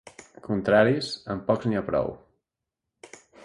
Contraris, amb pocs n'hi ha prou.